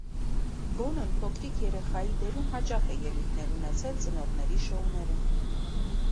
Բոնոն փոքրիկ երեխայի դերում հաճախ է ելույթներ ունեցել ծնողների շոուներում։